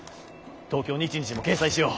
「東京日日」も掲載しよう！